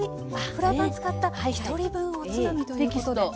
フライパン使った「ひとり分おつまみ」ということで。